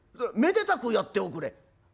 めでたくやっておくれ」。